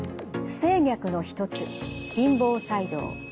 不整脈の一つ心房細動。